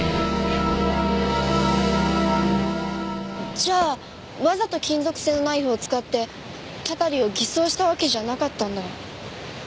じゃあわざと金属製のナイフを使ってたたりを偽装したわけじゃなかったんだ。